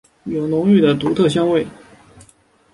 有浓郁的独特香味。